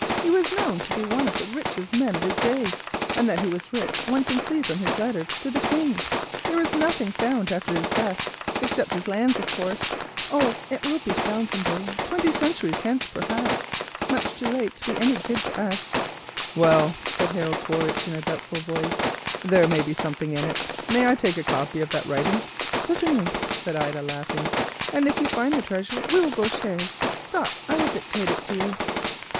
He was known to be one of the richest men of his day, and that he was rich we can see from his letter to the King. There was nothing found after his death, except his lands, of course. Oh, it will be found someday, twenty centuries hence, probably, much too late to be of any good to us," and she sighed deeply, while a pained and wearied expression spread itself over her handsome face. "Well," said Harold in a doubtful voice, "there may be something in it. May I take a copy of that writing?" "Certainly," said Ida laughing, "and if you find the treasure we will go shares. Stop, I will dictate it to you."